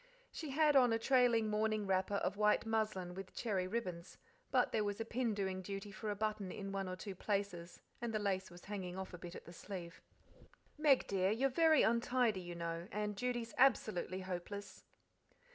She had on a trailing morning wrapper of white muslin with cherry ribbons, but there was a pin doing duty for a button in one or two places and the lace was hanging off a bit at the sleeve. "Meg, dear, you're very untidy, you know, and Judy's absolutely hopeless."